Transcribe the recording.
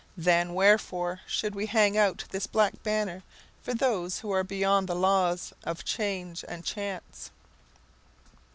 Then wherefore should we hang out this black banner for those who are beyond the laws of change and chance?